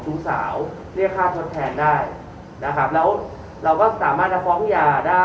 ชู้สาวเรียกค่าทดแทนได้นะครับแล้วเราก็สามารถจะฟ้องยาได้